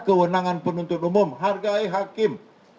kewenangan penuntut umum hargai hakim